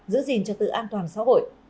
giữ gìn cho tự an toàn xã hội